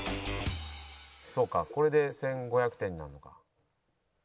そうかこれで１５００点になるのか。